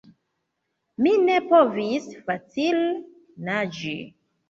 Mi ne povis facile naĝi.